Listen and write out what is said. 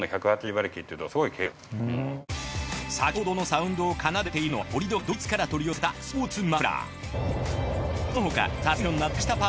先ほどのサウンドを奏でているのは織戸がドイツから取り寄せたスポーツマフラー。